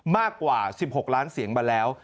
มากกว่า๑๖ล้านเสียงมาแล้ว